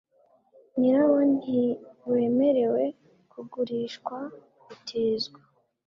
nyirawo ntiwemerewe kugurishwa gutizwa